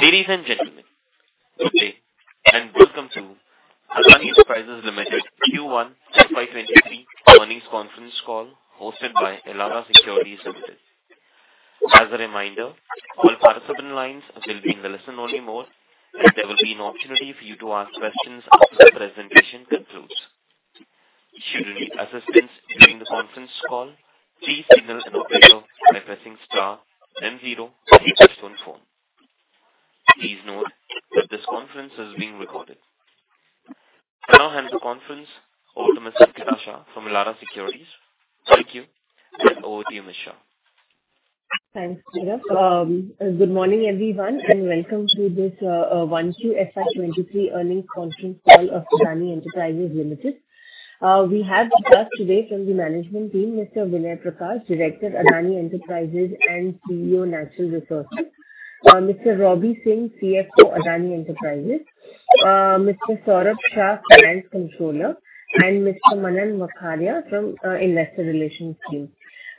Ladies and gentlemen, good day, and welcome to Adani Enterprises Limited Q1 FY 2023 earnings conference call hosted by Elara Securities Limited. As a reminder, all participant lines will be in listen-only mode, and there will be an opportunity for you to ask questions after the presentation concludes. Should you need assistance during this conference call, please signal an operator by pressing star then zero from your telephone phone. Please note that this conference is being recorded. I now hand the conference over to Ms. Ankita Shah from Elara Securities. Thank you. Over to you, Ms. Ankita Shah. Thanks, Peter. Good morning, everyone, and welcome to this 1Q FY 2023 earnings conference call of Adani Enterprises Limited. We have with us today from the management team, Mr. Vinay Prakash, Director and CEO, Natural Resources, Adani Enterprises, Mr. Jugeshinder Singh, CFO, Adani Enterprises, Mr. Saurabh Shah, Finance Controller, and Mr. Manan Vakharia from Investor Relations team.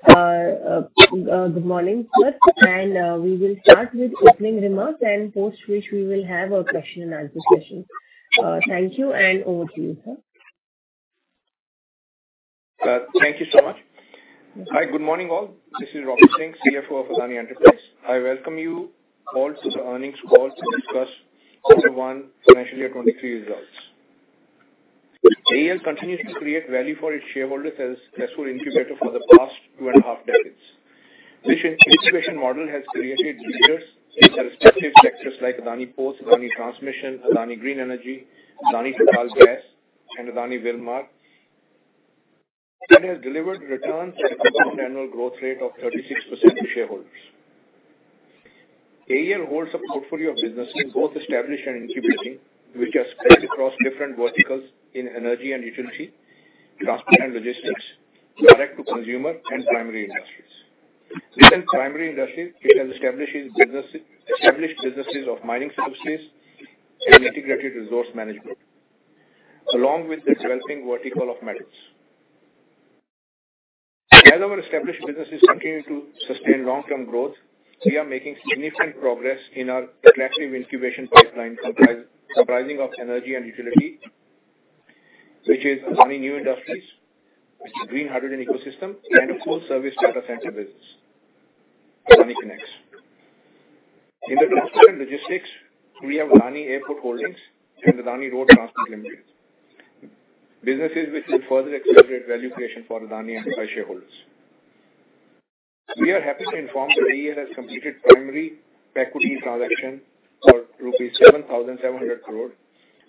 Good morning to you. We will start with opening remarks, and post which we will have our question and answer session. Thank you, and over to you, sir. Thank you so much. Hi, good morning, all. This is Jugeshinder Singh, CFO of Adani Enterprises. I welcome you all to the earnings call to discuss Q1 FY 2023 results. AEL continues to create value for its shareholders as successful incubator for the past 2.5 decades. This incubation model has created leaders in respective sectors like Adani Ports, Adani Transmission, Adani Green Energy, Adani Total Gas, and Adani Wilmar, and has delivered returns at compound annual growth rate of 36% to shareholders. AEL holds a portfolio of businesses, both established and incubating, which are spread across different verticals in energy and utility, transport and logistics, product to consumer and primary industries. Within primary industries, it has established businesses of mining services and integrated resource management, along with the developing vertical of metals. As our established businesses continue to sustain long-term growth, we are making significant progress in our incubation pipeline comprising energy and utility, which is Adani New Industries, its green hydrogen ecosystem, and a full service data center business, AdaniConneX. In the transport and logistics, we have Adani Airport Holdings and Adani Road Transport Limited, businesses which will further accelerate value creation for Adani Enterprises shareholders. We are happy to inform that AEL has completed primary equity transaction for rupees 7,700 crore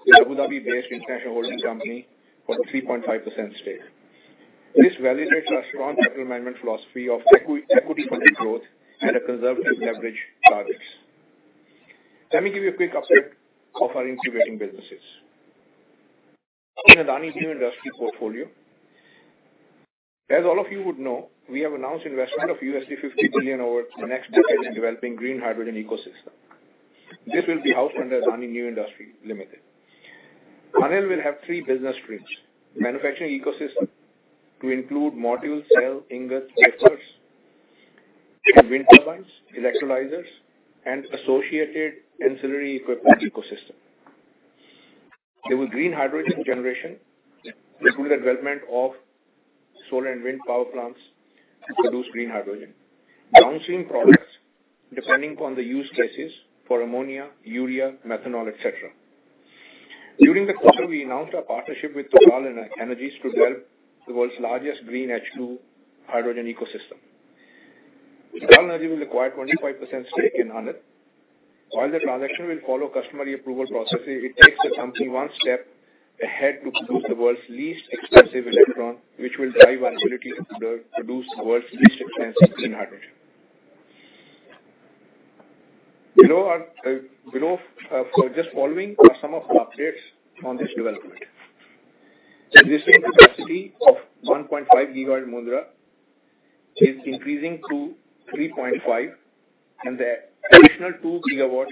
with Abu Dhabi-based International Holding Company for a 3.5% stake. This validates our strong capital management philosophy of equity funded growth at a conservative leverage targets. Let me give you a quick update of our incubating businesses. In Adani New Industries portfolio, as all of you would know, we have announced investment of $50 billion over the next decade in developing green hydrogen ecosystem. This will be out under Adani New Industries Limited. ANIL will have three business streams. Manufacturing ecosystem to include modules, cell, ingot, wafers, wind turbines, electrolyzers, and associated ancillary equipment ecosystem. There were green hydrogen generation to include the development of solar and wind power plants to produce green hydrogen. Downstream products, depending on the use cases for ammonia, urea, methanol, et cetera. During the quarter, we announced our partnership with TotalEnergies to develop the world's largest green H2 hydrogen ecosystem. TotalEnergies will acquire 25% stake in ANIL. While the transaction will follow customary approval processes, it takes the company one step ahead to produce the world's least expensive electron, which will drive our utility to produce the world's least expensive green hydrogen. The following are some of the updates on this development. Existing capacity of 1.5 GW in Mundra is increasing to 3.5 GW, and the additional 2 GW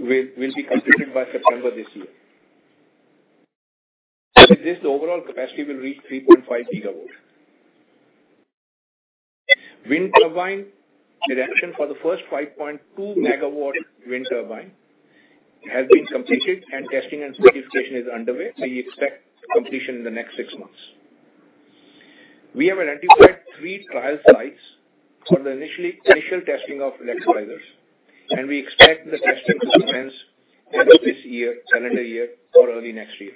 will be completed by September this year. With this, the overall capacity will reach 3.5 GW. Wind turbine erection for the first 5.2 MW wind turbine has been completed and testing and certification is underway. We expect completion in the next six months. We have identified three trial sites for the initial testing of electrolyzers, and we expect the testing to commence end of this year, calendar year or early next year.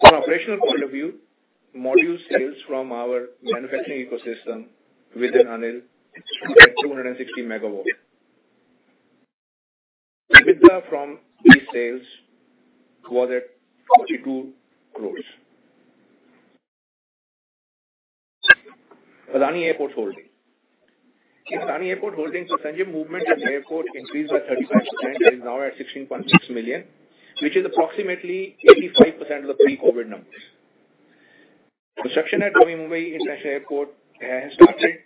From operational point of view, module sales from our manufacturing ecosystem within ANIL stood at 260 MW. EBITDA from these sales was at INR 42 crore. Adani Airport Holdings. In Adani Airport Holdings, passenger movement at the airport increased by 35% and is now at 16.6 million, which is approximately 85% of the pre-COVID numbers. Construction at Navi Mumbai International Airport has started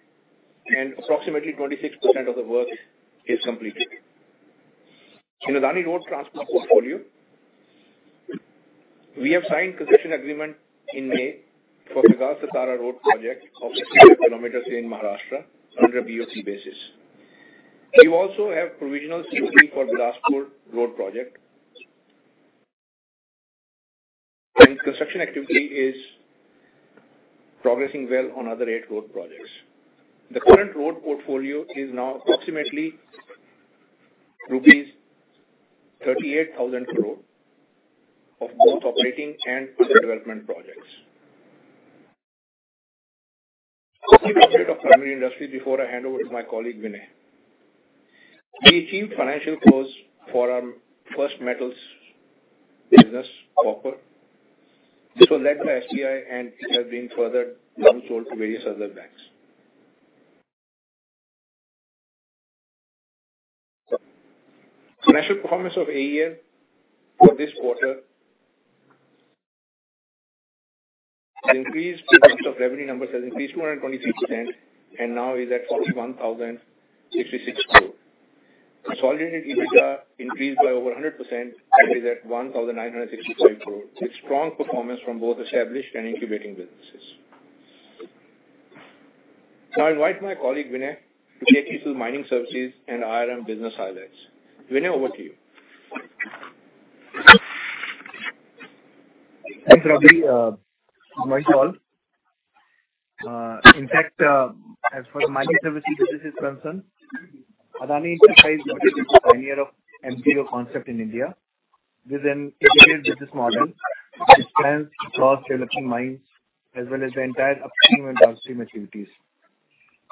and approximately 26% of the work is completed. In Adani Road Transport portfolio. We have signed concession agreement in May for Vikas Satara Road Project of 60 km in Maharashtra under BOT basis. We also have provisional COP for Bilaspur Road Project. Construction activity is progressing well on other eight road projects. The current road portfolio is now approximately rupees 38,000 crore of both operating and development projects. A quick update of primary industry before I hand over to my colleague, Vinay. We achieved financial close for our first metals business, copper. This was led by SBI and it has been further resold to various other banks. Financial performance of AEL for this quarter increased. The mix of revenue numbers has increased 223% and now is at 41,066 crore. Consolidated EBITDA increased by over 100% and is at 1,967 crore. It's strong performance from both established and incubating businesses. Now I invite my colleague, Vinay, to take you through mining services and IRM business highlights. Vinay, over to you. Thanks, Robbie. Good morning to all. In fact, as for the mining services business is concerned, Adani Enterprises is the pioneer of MDO concept in India with an integrated business model which spans across developing mines as well as the entire upstream and downstream activities.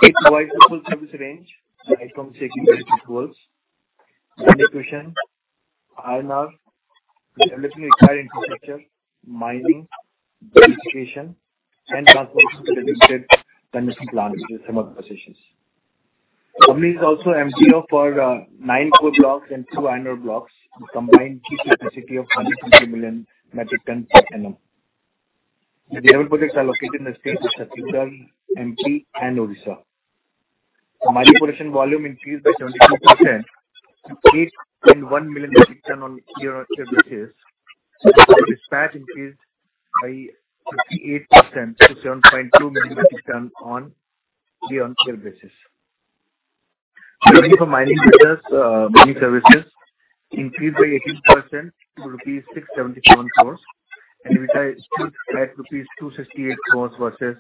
It provides a full service range, right from safety based tools, mine execution, IRM, the electrical infrastructure, mining, beneficiation, and transportation to dedicated transmission plant, which are thermal power stations. The company is also MDO for nine coal blocks and two iron ore blocks with combined capacity of 150 million metric tons per annum. The development projects are located in the states of Chhattisgarh, MP, and Odisha. The mining production volume increased by 72% to 8.1 million metric tons on year-on-year basis. Dispatch increased by 58% to 7.2 million metric tons on year-on-year basis. Revenue for mining business, mining services increased by 18% to rupees 677 crore. EBITDA stood at rupees 268 crore versus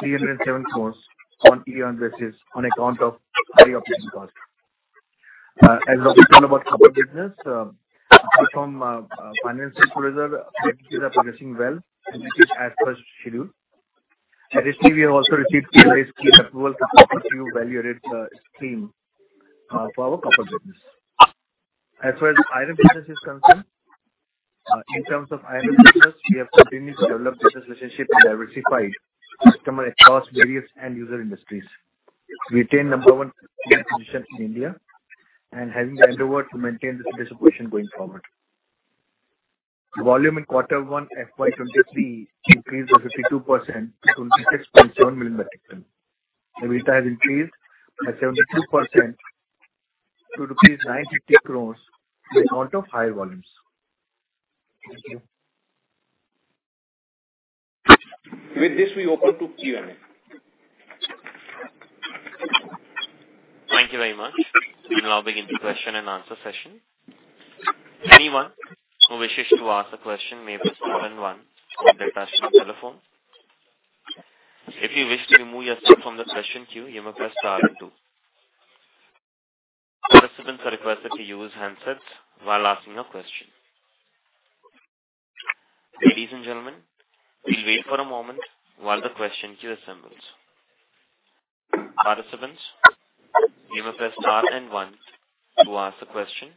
307 crore on year-on-year basis on account of high operating cost. As Robbie told about copper business, apart from financial closure, activities are progressing well and it is as per schedule. Additionally, we have also received CLA's key approval to pursue value-added scheme for our copper business. As far as iron business is concerned, in terms of iron business, we have continued to develop business relationship and diversify customers across various end-user industries. We retain number one position in India and having the endeavor to maintain this position going forward. The volume in quarter one FY 2023 increased by 52% to 66.7 million metric tons. The EBITDA increased by 72% to rupees 950 crores on account of higher volumes. Thank you. With this, we open to Q&A. Thank you very much. We now begin the question and answer session. Anyone who wishes to ask a question may press star and one on their touchtone telephone. If you wish to remove yourself from the question queue, you may press star and two. Participants are requested to use handsets while asking a question. Ladies and gentlemen, we'll wait for a moment while the question queue assembles. Participants, you may press star and one to ask a question.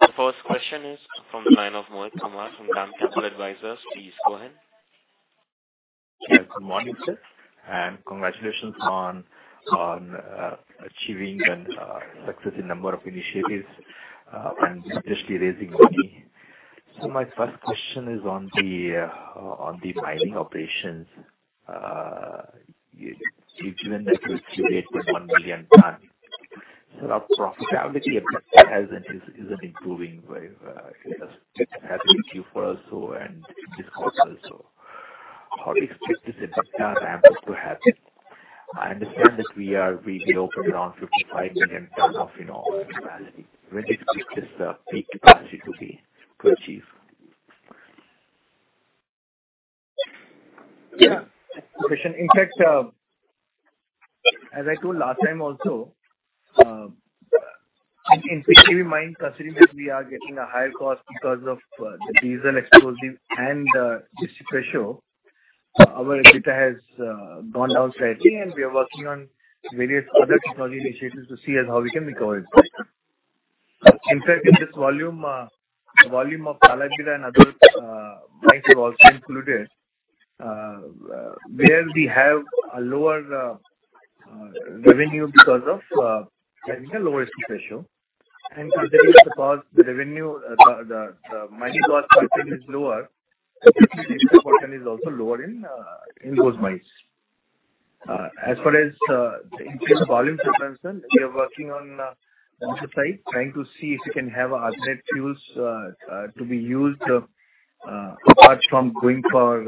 The first question is from the line of Mohit Kumar from DAM Capital Advisors. Please go ahead. Yes, good morning, sir, and congratulations on achieving success in number of initiatives and successfully raising money. My first question is on the mining operations. Given that you operate with 1 million tons, the profitability of that isn't improving very as it has been for you for us so in this quarter also. How do you expect this investment ramp up to happen? I understand that we had opened around 55 million tons of, you know, capacity. When do you expect this peak capacity to be achieved? Yeah. Question. In fact, as I told last time also, in fixed heavy mine considering that we are getting a higher cost because of the diesel explosive and strip ratio, our EBITDA has gone down slightly, and we are working on various other technology initiatives to see how we can recover it. In fact, in this volume of Talabira and other mines are also included, where we have a lower revenue because of having a lower strip ratio. Considering the cost, the revenue, the mining cost per ton is lower. The revenue per ton is also lower in those mines. As far as in case of volume consumption, we are working on the site trying to see if we can have alternate fuels to be used apart from going for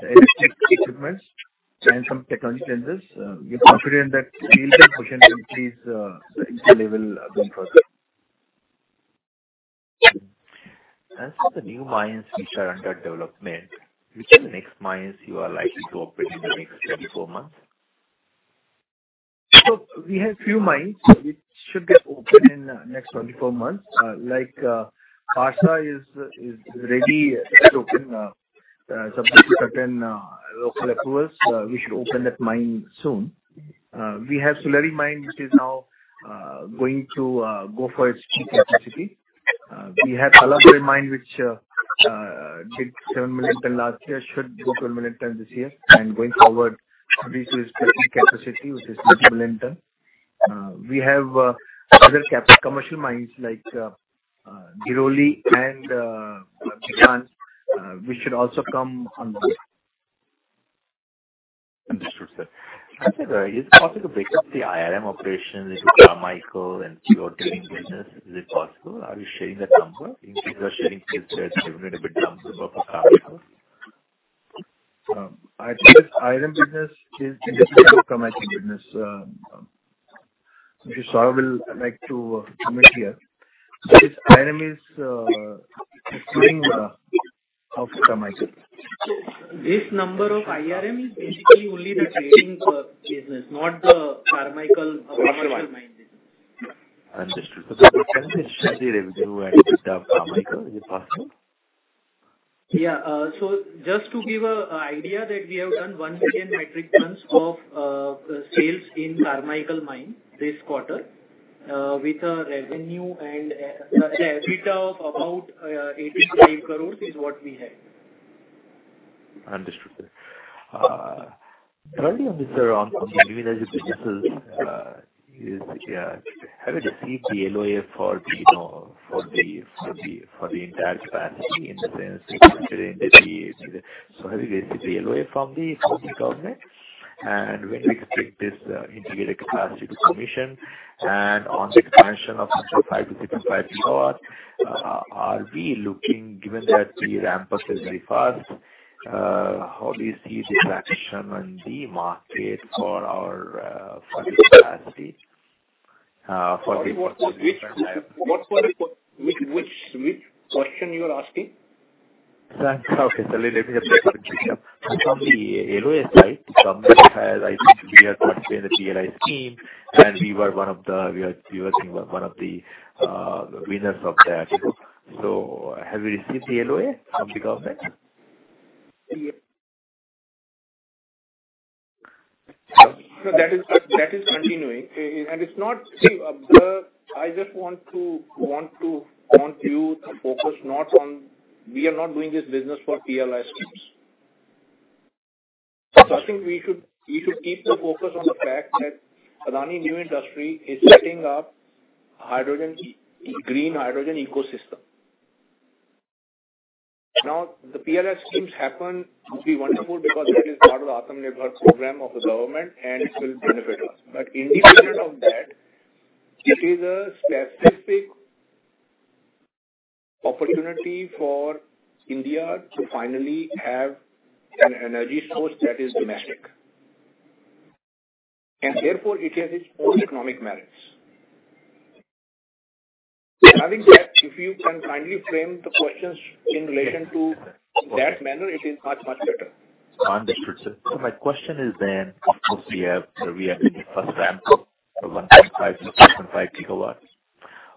electric equipment and some technology changes. We are confident that we'll be able to increase the internal level going further. As for the new mines which are under development, which are the next mines you are likely to open in the next 24 months? We have few mines which should get opened in next 24 months. Kasta is ready to open, subject to certain local approvals. We should open that mine soon. We have Suliyari mine which is now going to go for its peak capacity. We have Talabira mine which did 7 million tonnes last year, should do 12 million tonnes this year. Going forward, this is peak capacity, which is 19 million tonnes. We have other captive commercial mines like Dhirauli and Bijahan, which should also come on board. Understood, sir. Can I say, is it possible to break up the IRM operations into Carmichael and pure drilling business? Is it possible? Are you sharing that number? In case you are sharing sales there, even in a bit number of Carmichael? I think IRM business is independent of Carmichael business. Mr. Saurabh Shah would like to comment here. This IRM is supplying of Carmichael. This number of IRM is basically only the trading business, not the Carmichael commercial mining. Understood. Can you share the revenue EBITDA of Carmichael? Is it possible? Just to give an idea that we have done 1 million metric tons of sales in Carmichael mine this quarter, with a revenue and EBITDA of about 85 crore is what we have. Understood. Early on this, on new energy businesses, have you received the LOA for the entire capacity, you know, in the sense? So have you received the LOA from the government? When we expect this integrated capacity to commission and on the expansion of 5 GW-7.5 GW, are we looking, given that the ramp up is very fast, how do you see the traction on the market for our, for this capacity, for the Sorry, which question you are asking? Sorry. Okay, so let me just break it. From the LOA side, the government has, I think we are participating in the PLI scheme, and we were one of the winners of that. Have we received the LOA from the government? That is continuing. See, I just want you to focus not on. We are not doing this business for PLI schemes. I think we should keep the focus on the fact that Adani New Industries is setting up green hydrogen ecosystem. Now, the PLI schemes happen to be wonderful because it is part of the Atmanirbhar Bharat of the government and it will benefit us. Independent of that, it is a specific opportunity for India to finally have an energy source that is domestic, and therefore it has its own economic merits. Having said, if you can kindly frame the questions in relation to that manner, it is much, much better. Understood, sir. My question is then, obviously you have achieved the first ramp up from 1.5 GW to 7.5 GW.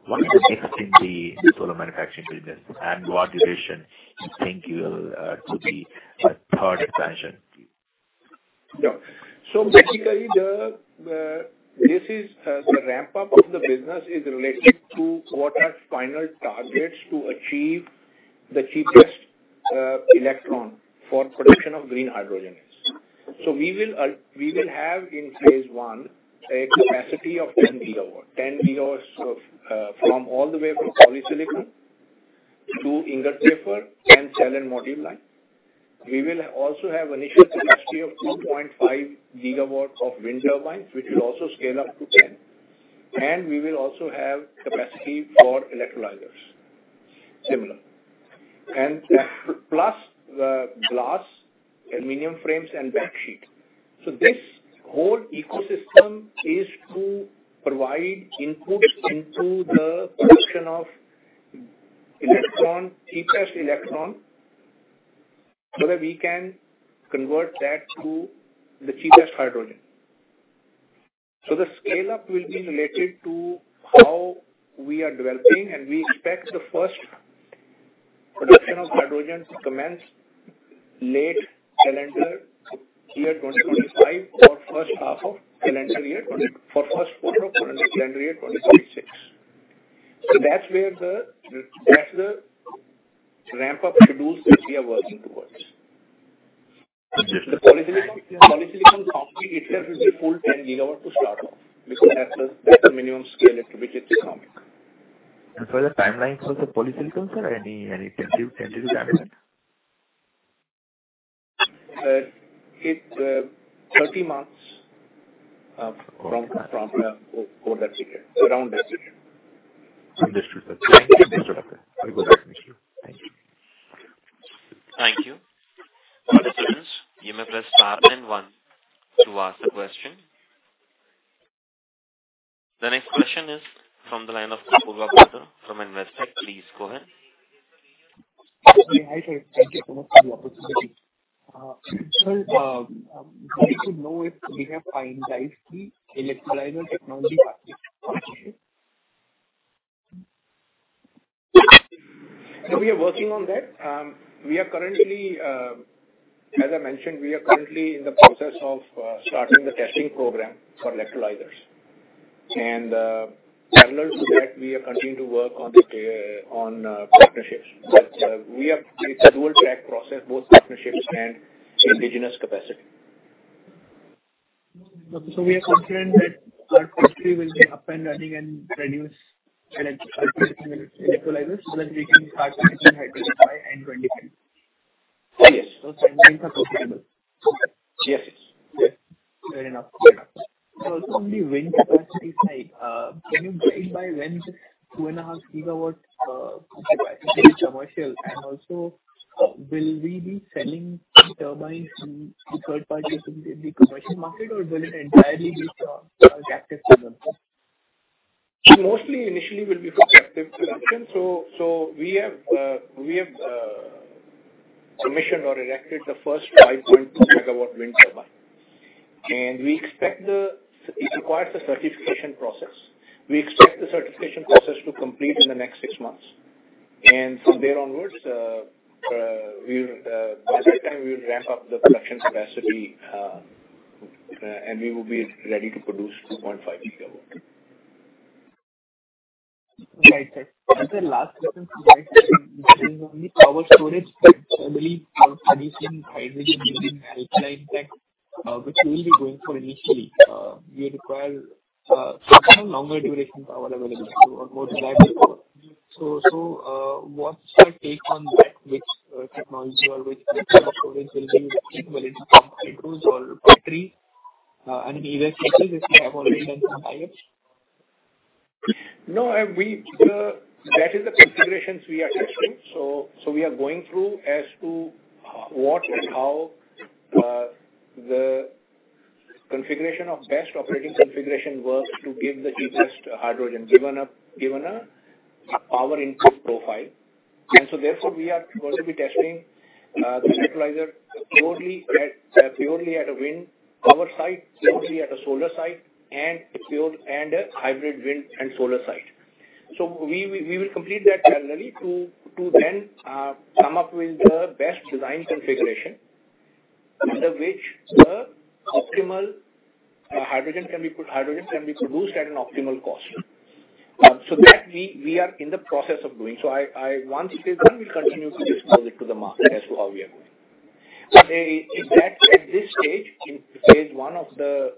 What is the next in the solar manufacturing business and what revision you think you'll to be a third expansion? Yeah. Basically this is the ramp up of the business is related to what are final targets to achieve the cheapest electron for production of green hydrogen. We will have in phase one a capacity of 10 GW. 10 GW from all the way from polysilicon to ingot wafer and cell and module line. We will also have initial capacity of 2.5 GW of wind turbines, which will also scale up to 10 GW. We will also have capacity for electrolyzers, similar. Plus, glass, aluminum frames and backsheet. This whole ecosystem is to provide inputs into the production of electron, cheapest electron, so that we can convert that to the cheapest hydrogen. The scale up will be related to how we are developing, and we expect the first production of hydrogen to commence late calendar year 2025 or first half of calendar year 2026 or first quarter of calendar year 2026. That's where the, that's the ramp up schedules which we are working towards. Understood. The polysilicon, the polysilicon company, it has the full 10 GW to start off because that's the minimum scale at which it can come. For the timelines for the polysilicon, sir, any tentative timeline? Sir, it's 30 months for that sector. Around this year. This year. That's. Thank you. Thank you. Participants, you may press star and one to ask a question. The next question is from the line of Kulkarni from Investec. Please go ahead. Hi, sir. Thank you so much for the opportunity. Sir, wanted to know if we have finalized the electrolyzer technology partner? We are working on that. We are currently, as I mentioned, in the process of starting the testing program for electrolyzers. Parallel to that, we are continuing to work on the partnerships. We have a dual track process, both partnerships and indigenous capacity. We are confident that our factory will be up and running and produce electrolyzers so that we can start the hydrogen by end 2025? Yes. Those timelines are foreseeable? Yes. Yes. Fair enough. Also on the wind capacity side, can you break down by when this 2.5 GW will be commercial? Also, will we be selling turbines to third parties in the commercial market, or will it entirely be for our captive production? Mostly initially will be for captive production. We have commissioned or erected the first 5 GW wind turbine. It requires a certification process. We expect the certification process to complete in the next six months. From there onwards, by that time we will ramp up the production capacity, and we will be ready to produce 2.5 GW. Right. The last question, sir. Besides only power storage, but generally how producing hydrogen using alkaline tank, which we will be going for initially, we require, certain longer duration power availability. What would that look like? So, what's your take on that? Which, technology or which storage will be used, whether it's pump hydro or battery, and either if you have already done some pilots. No, that is the configurations we are testing. We are going through as to what and how the configuration of best operating configuration works to give the cheapest hydrogen, given a power input profile. Therefore, we are going to be testing the electrolyzer purely at a wind power site, purely at a solar site and a hybrid wind and solar site. We will complete that internally to then come up with the best design configuration under which the optimal hydrogen can be produced at an optimal cost. That we are in the process of doing. Once it is done, we'll continue to disclose it to the market as to how we are doing. At this stage, in phase one of the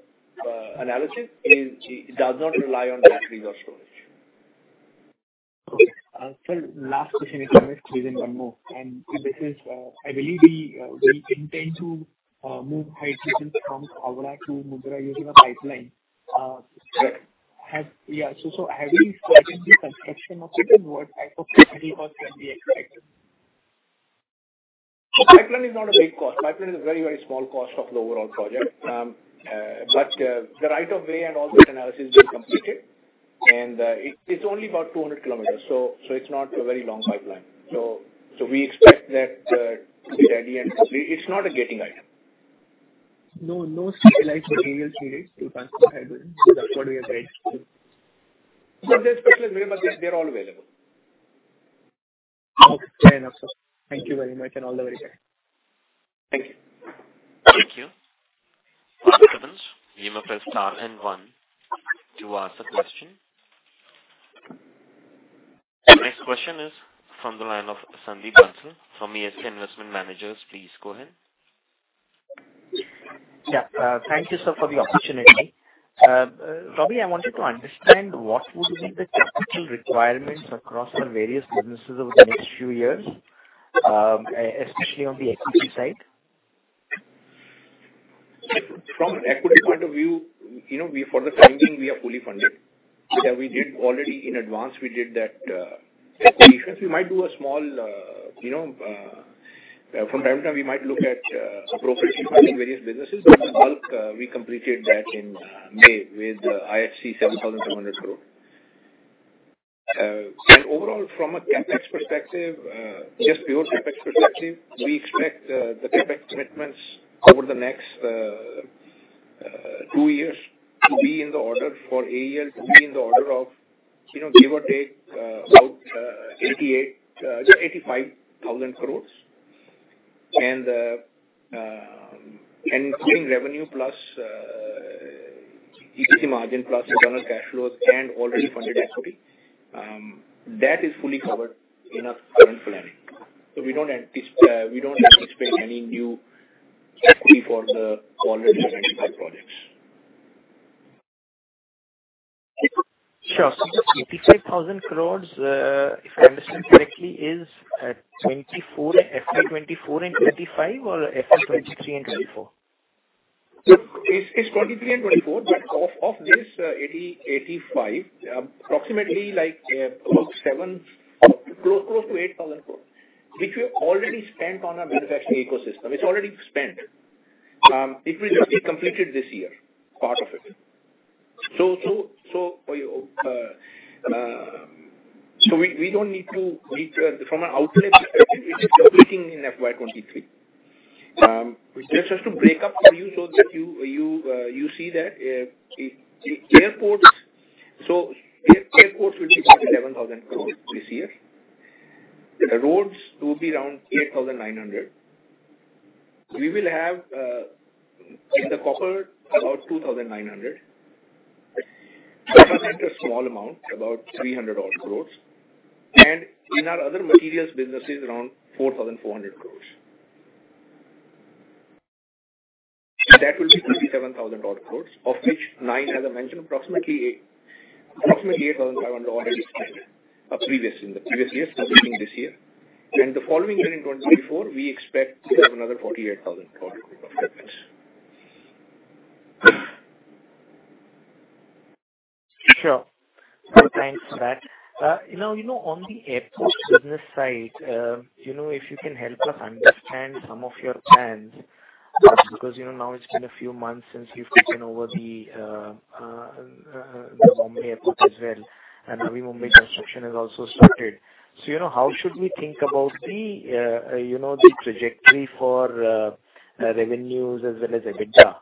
analysis, it does not rely on battery or storage. Okay. Sir, last question. I promise to raise one more. This is, I believe we intend to move hydrogen from Khavda to Mundra using a pipeline. Yeah. Have we started the construction of it? And what type of CapEx cost can we expect? Pipeline is not a big cost. Pipeline is a very, very small cost of the overall project. The right of way and all that analysis is completed. It's only about 200 kilometers, so it's not a very long pipeline. We expect that to be ready and it's not a gating item. No, no specialized materials needed to transfer hydrogen. That's what we are trying to. No, they're specially available. They're all available. Okay. Fair enough, sir. Thank you very much, and all the very best. Thank you. Thank you. Participants, you may press star and one to ask a question. The next question is from the line of Sandip Bansal from ASK Investment Managers. Please go ahead. Thank you, sir, for the opportunity. Robbie, I wanted to understand what would be the capital requirements across the various businesses over the next few years, especially on the ACC side. From an equity point of view, you know, for the time being, we are fully funded. We did already in advance that equity raise. We might do a small, you know, from time to time, we might look at appropriately funding various businesses, but in bulk, we completed that in May with IHC 7,700 crore. Overall, from a CapEx perspective, just pure CapEx perspective, we expect the CapEx commitments over the next two years to be in the order for AEL, you know, give or take, about 88,000 crore, 85,000 crore. Including revenue plus EPC margin plus internal cash flows and already funded equity, that is fully covered in our current planning. We don't anticipate any new equity for the already identified projects. Sure. The 85,000 crore, if I understand correctly, is FY 2024 and 2025 or FY 2023 and 2024? It's 2023 and 2024. Out of this 85,000 crore, approximately, like, about 7,000 crore, close to 8,000 crore, which we have already spent on our manufacturing ecosystem. It's already spent. It will be completed this year, part of it. We don't need additional outlay in FY 2023. Just to break down for you so that you see that, airports will be about 11,000 crore this year. The roads will be around 8,900 crore. We will have in the copper, about 2,900 crore. A small amount, about 300 odd crore. In our other materials businesses, around 4,400 crore. That will be 57,000 odd crore, of which 9,000 crore as I mentioned, approximately 8,000 crore are already spent in the previous years this year. In the following year, in 2024, we expect to have another 48,000 crore of CapEx. Sure. Thanks for that. Now, you know, on the airport business side, you know, if you can help us understand some of your plans, because, you know, now it's been a few months since you've taken over the Mumbai airport as well. Now Mumbai construction has also started. You know, how should we think about the trajectory for revenues as well as EBITDA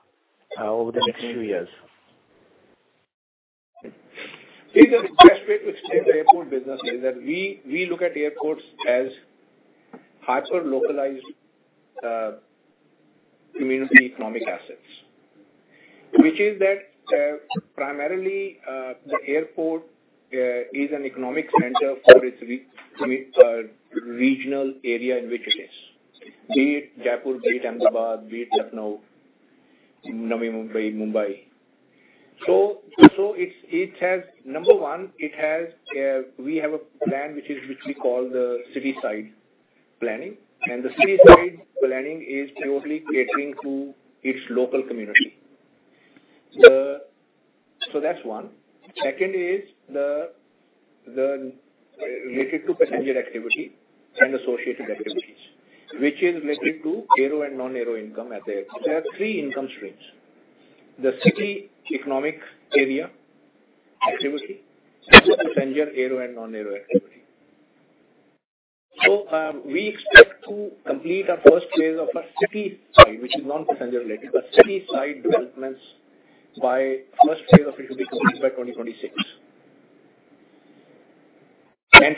over the next few years? The best way to explain the airport business is that we look at airports as hyper-localized community economic assets. Which is that primarily the airport is an economic center for its regional area in which it is. Be it Jaipur, be it Ahmedabad, be it Lucknow, Navi Mumbai. It's it has. Number one, we have a plan which we call the city side planning. The city side planning is purely catering to its local community. That's one. Second is the related to passenger activity and associated activities, which is related to aero and non-aero income at the airport. We have three income streams. The city economic area activity, second is passenger aero and non-aero activity. We expect to complete our first phase of our city, sorry, which is non-passenger related. The city side developments by first phase of it will be completed by 2026.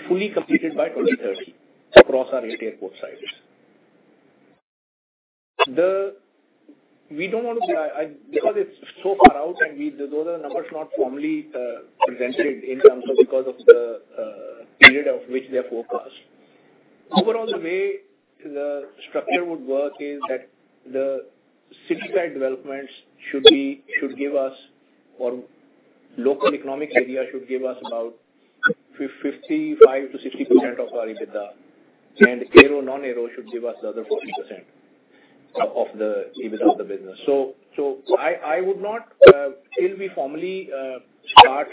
Fully completed by 2030 across our eight airport sites. Because it's so far out, those are numbers not formally presented in terms of because of the period of which they're forecast. Overall, the way the structure would work is that the city side developments or local economic area should give us about 55%-60% of our EBITDA. Aero/non-aero should give us the other 40% of the EBITDA of the business. I would not till we formally start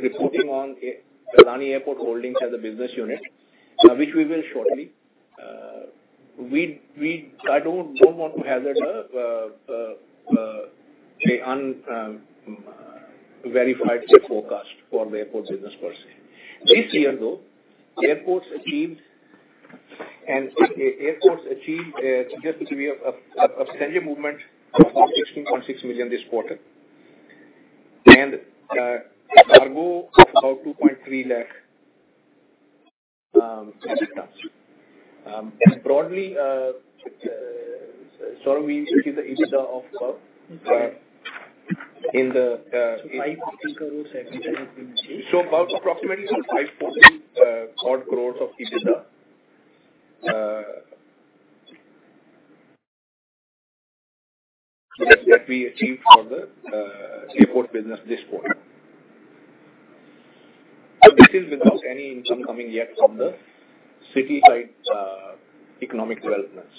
reporting on Adani Airport Holdings as a business unit, which we will shortly. I don't want to hazard an unverified forecast for the airport business per se. This year, though, airports achieved just to give you a passenger movement of about 16.6 million this quarter. Cargo about INR 2.3 lakh metric tons. Broadly, Sandip, we achieved the EBITDA of in the 5% growth. About approximately some 500 odd crores of EBITDA that we achieved for the airport business this quarter. This is without any income coming yet from the city side economic developments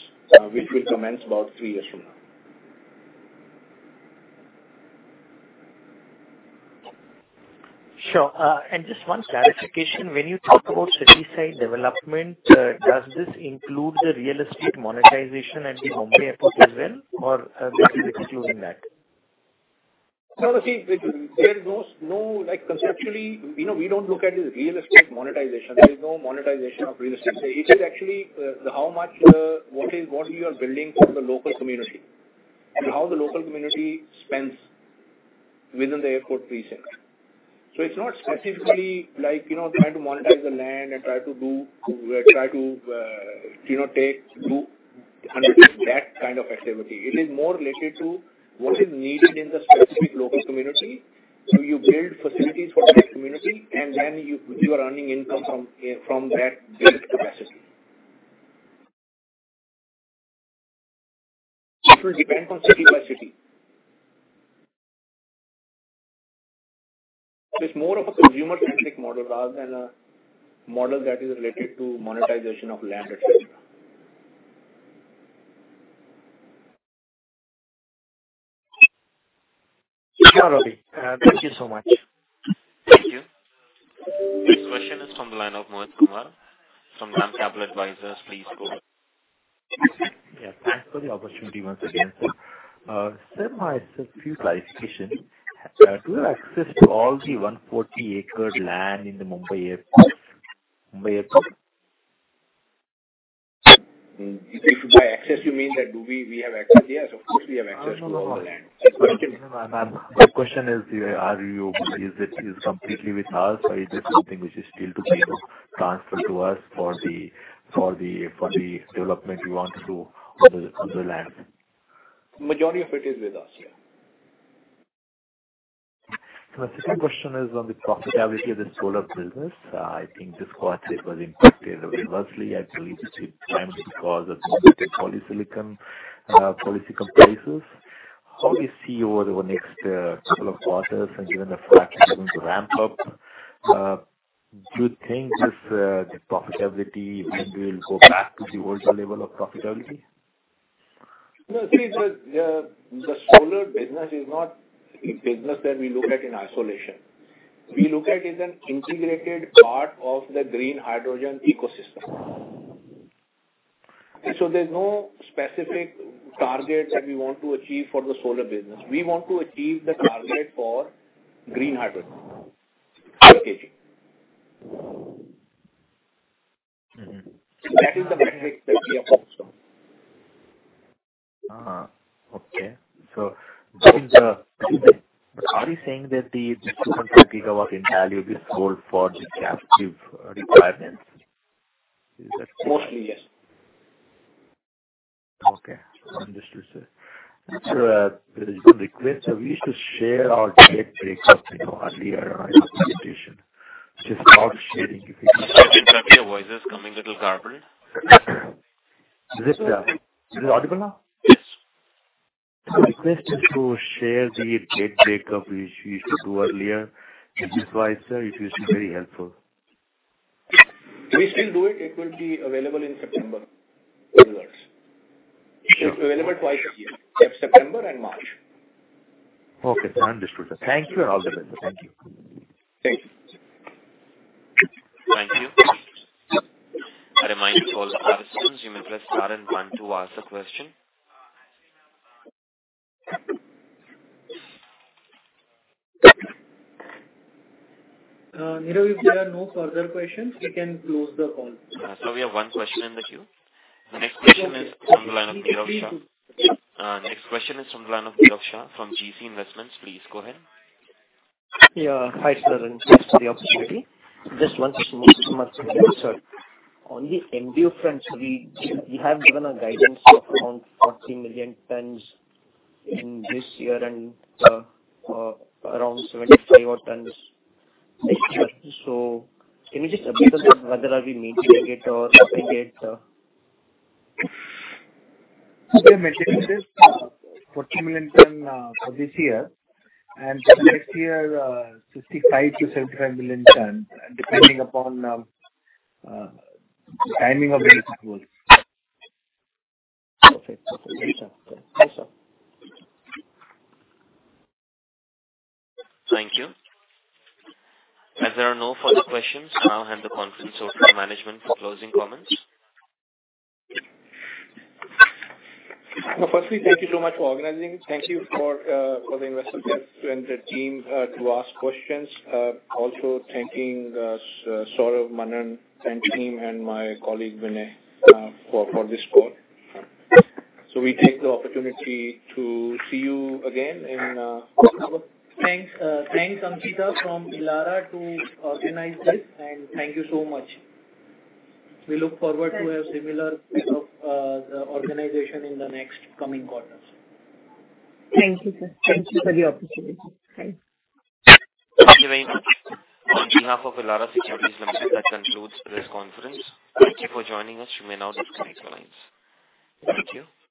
which will commence about three years from now. Sure. Just one clarification. When you talk about city side development, does this include the real estate monetization at the Mumbai airport as well, or this is excluding that? No, see, there is no like conceptually, you know, we don't look at it as real estate monetization. There is no monetization of real estate. It is actually what you are building for the local community and how the local community spends within the airport precinct. It's not specifically like, you know, trying to monetize the land and try to do hundreds of that kind of activity. It is more related to what is needed in the specific local community. You build facilities for that community and then you are earning income from that built capacity. It will depend on city by city. It's more of a consumer-centric model rather than a model that is related to monetization of land et cetera. Sure, Robbie, thank you so much. Thank you. Next question is from the line of Mohit Kumar from DAM Capital Advisors. Please go. Yeah, thanks for the opportunity once again, sir. Sir, few clarifications. Do you have access to all the 140-acre land in the Navi Mumbai International Airport, Navi Mumbai International Airport? If by access you mean do we have access? Yes, of course, we have access to all the land. No, no. Yes. My question is it completely with us or is there something which is still to be, you know, transferred to us for the development we want to do on the land? Majority of it is with us, yeah. The second question is on the profitability of the solar business. I think this quarter it was impacted adversely, I believe, because of the polysilicon prices. How do you see over the next couple of quarters and given the fact you're going to ramp up, do you think the profitability maybe will go back to the older level of profitability? No, see, the solar business is not a business that we look at in isolation. We look at it as an integrated part of the green hydrogen ecosystem. There's no specific target that we want to achieve for the solar business. We want to achieve the target for green hydrogen application. Mm-hmm. That is the metric that we are focused on. Okay. Are you saying that the 200 GW in value is sold for the captive requirements? Is that? Mostly, yes. Okay. Understood, sir. Sir, there is a request. We used to share our debt breakup, you know, earlier in presentation. Just thought of sharing if you can? Sir, your voice is coming a little garbled. Is it audible now? Yes. My request is to share the debt breakup which we used to do earlier. If it's wise, sir, it will be very helpful. We still do it. It will be available in September, in August. It's available twice a year. September and March. Okay, understood, sir. Thank you and all the best. Thank you. Thank you. Thank you. I remind all participants you may press star and one to ask a question. Nirav, if there are no further questions, we can close the call. We have one question in the queue. The next question is from the line of Nirav Shah from GC Investments. Please go ahead. Yeah. Hi, sir, and thanks for the opportunity. Just one small question, sir. On the MDO front, we have given a guidance of around 40 million tons in this year and around 75 tons next year. Can you just update us on whether we are meeting the target or if we get. We are meeting the target. 40 million ton for this year. For next year, 65 million ton-75 million ton, depending upon timing of the execution. Perfect. Perfect. Thank you, sir. Thanks, sir. Thank you. As there are no further questions, I'll hand the conference over to management for closing comments. Now, firstly, thank you so much for organizing. Thank you for the investment banks and the team to ask questions. Also thanking Saurabh, Manan and team and my colleague, Vinay for this call. We take the opportunity to see you again in Thanks. Thanks, Ankita from Elara to organize this, and thank you so much. We look forward to a similar, you know, the organization in the next coming quarters. Thank you, sir. Thank you for the opportunity. Thanks. Thank you very much. On behalf of Elara Securities, that concludes this conference. Thank you for joining us. You may now disconnect your lines. Thank you.